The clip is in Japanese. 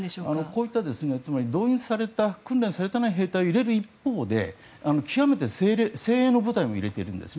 こういった動員された訓練されていない兵隊を入れる一方で極めて精鋭の部隊も入れてるんです。